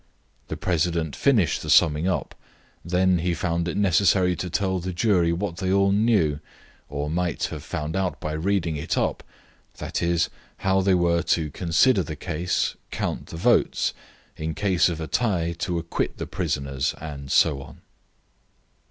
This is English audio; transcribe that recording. The president finished the summing up. Then he found it necessary to tell the jury what they all knew, or might have found out by reading it up i.e., how they were to consider the case, count the votes, in case of a tie to acquit the prisoners, and so on.